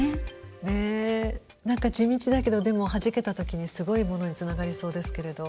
ねえ何か地道だけどでもはじけた時にすごいものにつながりそうですけれど。